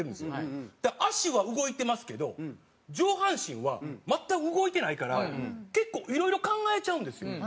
足は動いてますけど上半身は全く動いてないから結構いろいろ考えちゃうんですよ。